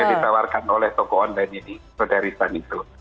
yang ditawarkan oleh toko online ini sodaristan itu